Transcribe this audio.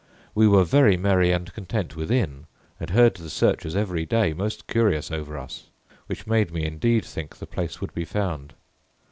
We were very merry and content within, and heard the searchers every day most curious over us, which made me indeed think the place would be found.